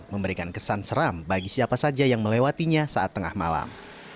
memberikan kesan seram bagi siapa saja yang melewatinya saat tengah malam